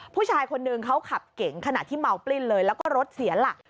ผู้ชายคนนึงเขาขับเก่งขณะที่เมาปลิ้นเลยแล้วก็รถเสียหลัก